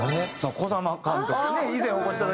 児玉監督や。